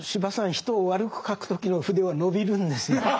人を悪く書く時の筆は伸びるんですよ。